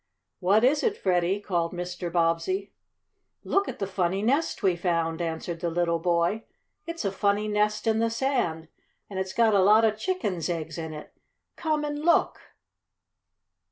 "What is it, Freddie?" called Mr. Bobbsey. "Look at the funny nest we found!" answered the little boy. "It's a funny nest in the sand, and it's got a lot of chicken's eggs in it! Come and look!"